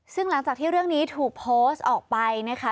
ซึ่งหลังจากที่เรื่องนี้ถูกโพสต์ออกไปนะคะ